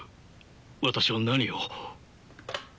私は何を。